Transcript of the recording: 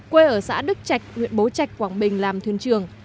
quê ở xã đức trạch huyện bố trạch quảng bình làm thuyền trường